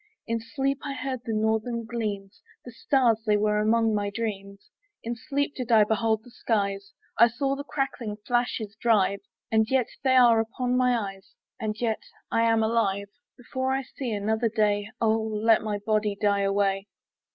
In sleep I heard the northern gleams; The stars they were among my dreams; In sleep did I behold the skies, I saw the crackling flashes drive; And yet they are upon my eyes, And yet I am alive. Before I see another day, Oh let my body die away!